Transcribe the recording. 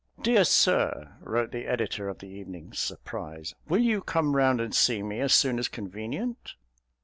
"Dear Sir," wrote the editor of The Evening Surprise, "will you come round and see me as soon as convenient?"